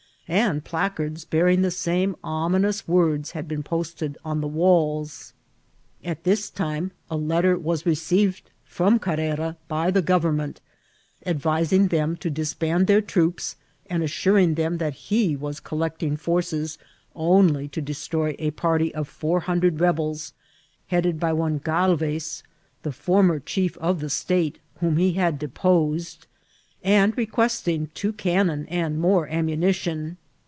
and placards bearing ihe same ominous words had been posted oh the walls. At this time a lett^ was received from Carrera by the government, advi sing them to disband their troops, and assuring them that he was collecting forces only to destroy a party of feur hundred rebels, headed by one Gatvez (the for mer chief of the state, whom he had deposed), and re^ questing two cannon and more ammunition.